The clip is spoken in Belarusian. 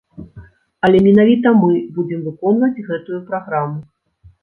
Але менавіта мы будзем выконваць гэтую праграму.